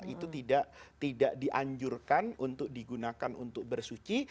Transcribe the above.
itu tidak dianjurkan untuk digunakan untuk bersuci